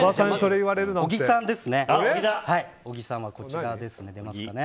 小木さんはこちらですね。